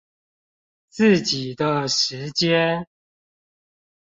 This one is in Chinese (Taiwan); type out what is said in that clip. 自己的時間